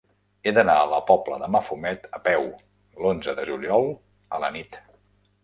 He d'anar a la Pobla de Mafumet a peu l'onze de juliol a la nit.